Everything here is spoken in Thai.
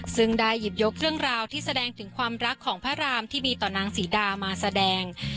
ซึ่งได้หยิบยกเรื่องราวที่แสดงถึงความรักของพระรามที่มีต่อนางศรีดามาแสดง